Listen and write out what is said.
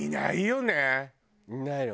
いないの？